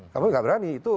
kamu nggak berani itu